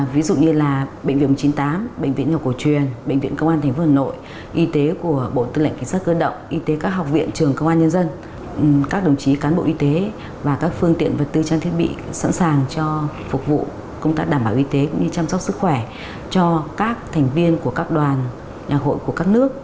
ví dụ như là bệnh viện một trăm chín mươi tám bệnh viện ngọc cổ truyền bệnh viện công an tp hà nội y tế của bộ tư lệnh cảnh sát cơ động y tế các học viện trường công an nhân dân các đồng chí cán bộ y tế và các phương tiện vật tư trang thiết bị sẵn sàng cho phục vụ công tác đảm bảo y tế cũng như chăm sóc sức khỏe cho các thành viên của các đoàn nhạc hội của các nước